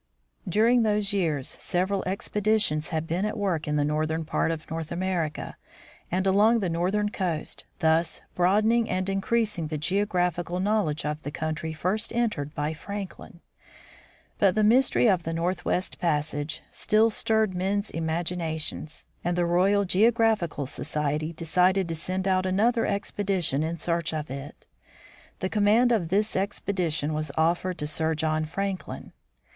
During those years several expeditions had been at work in the northern part of North America and along the northern coast, thus broadening and increasing the geographical knowledge of the country first entered by Franklin. But the mystery of the northwest passage still stirred men's imaginations, and the Royal Geographical Society decided to send out another expedition in search of it. The command of this expedition was offered to Sir John Franklin.